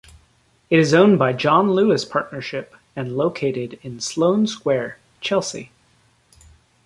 It is owned by John Lewis Partnership and located in Sloane Square, Chelsea.